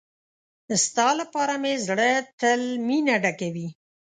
ستا لپاره مې زړه تل مينه ډک وي.